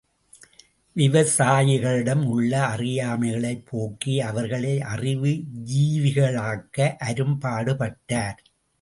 விவசாயிகளிடம் உள்ள அறியாமைகளைப் போக்கி அவர்களை அறிவு ஜீவிகளாக்க அரும்பாடுபட்டார்.